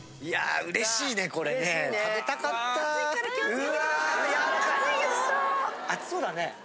いやうれしいねこれね。